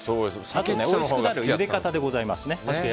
おいしくなるゆで方でございます。